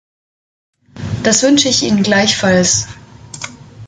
Das wünsche ich Ihnen gleichfalls!